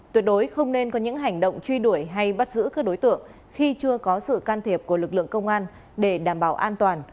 tuyệt đối không nên có những hành động truy đuổi hay bắt giữ các đối tượng khi chưa có sự can thiệp của lực lượng công an để đảm bảo an toàn